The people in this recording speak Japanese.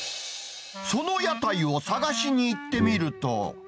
その屋台を探しに行ってみると。